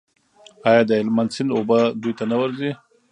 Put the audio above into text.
آیا د هلمند سیند اوبه دوی ته نه ورځي؟